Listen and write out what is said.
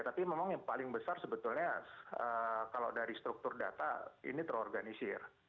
tapi memang yang paling besar sebetulnya kalau dari struktur data ini terorganisir